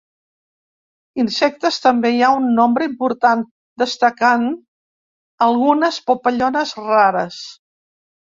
Insectes també hi ha un nombre important, destacant algunes papallones rares.